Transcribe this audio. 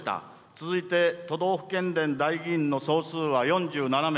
続いて都道府県連代議員の総数は４７名、